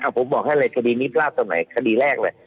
อ่ะผมบอกให้เลยคดีนี้พลาดตรงไหนคล้ายคดีแรกเลย